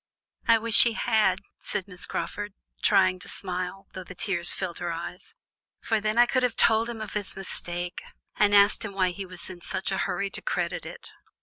"I wish he had," said Miss Crawford, trying to smile, though the tears filled her eyes, "for then I could have told him of his mistake, and asked him why he was in such a hurry to credit it."